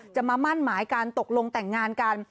จะมามั่นหมายกันตกลงแต่งงานกัน